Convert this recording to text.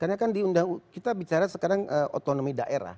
karena ini kan diundang kita bicara sekarang otonomi daerah